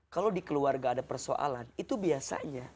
kalau di keluarga ada persoalan itu biasanya